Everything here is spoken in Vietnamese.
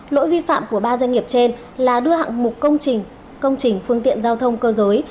lỗi vi phạm của ba doanh nghiệp trên là đưa hạng mục công trình công trình phương tiện giao thông cơ giới